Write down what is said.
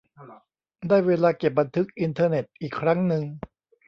ได้เวลาเก็บบันทึกอินเทอร์เน็ตอีกครั้งนึง